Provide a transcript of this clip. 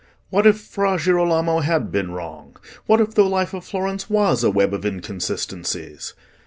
What if Fra Girolamo had been wrong? What if the life of Florence was a web of inconsistencies?